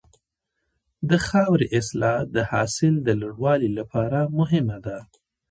د خاورې اصلاح د حاصل د لوړوالي لپاره مهمه ده.